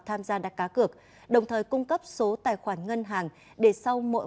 tham gia đặt cá cược đồng thời cung cấp số tài khoản ngân hàng để sau mỗi